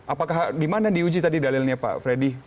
apakah di mana diuji tadi dalilnya pak freddy